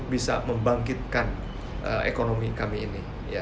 bisa membangkitkan ekonomi kami ini